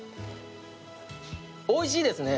おいしいですね。